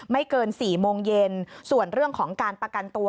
เกินสี่โมงเย็นส่วนเรื่องของการประกันตัว